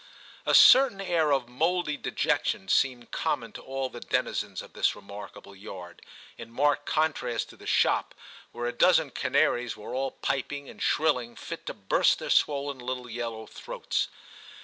A certain air of mouldy dejection seemed common to all the denizens of this remarkable yard, in marked contrast to the shop, where a dozen canaries were all piping and shrilling fit to burst their swollen little yellow throats.